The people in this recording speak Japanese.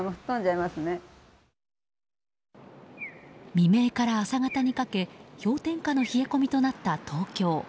未明から朝方にかけ氷点下の冷え込みとなった東京。